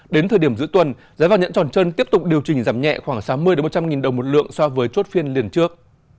đến thời điểm giữa tuần giá vàng nhẫn tròn trơn tiếp tục điều chỉnh giảm nhẹ khoảng sáu mươi một trăm linh nghìn đồng một lượng so với chốt phiên liền trước